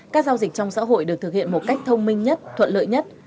các giao dịch trong xã hội được thực hiện một cách thông minh nhất thuận lợi nhất